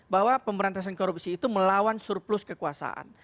bahwa pemberantasan korupsi itu melawan surplus kekuasaan